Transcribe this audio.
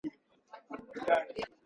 Majina ya Kienyeji